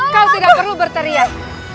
kau tidak perlu berteriak